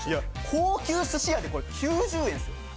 高級寿司屋でこれ９０円っすよ。